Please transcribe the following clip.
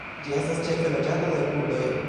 Ĝi estas ĉefe loĝata de kurdoj.